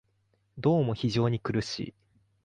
どうも非常に苦しい